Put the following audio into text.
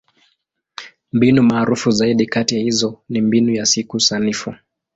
Mbinu maarufu zaidi kati ya hizo ni Mbinu ya Siku Sanifu.